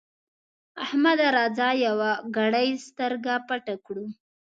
احمده! راځه يوه ګړۍ سترګه پټه کړو.